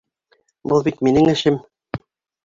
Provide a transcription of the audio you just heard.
Был бит минең эшем.